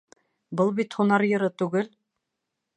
Был бит һунар йыры түгел.